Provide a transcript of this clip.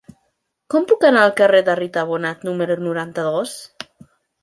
Com puc anar al carrer de Rita Bonnat número noranta-dos?